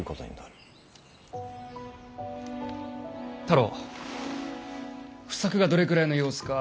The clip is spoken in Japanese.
太郎不作がどれくらいの様子か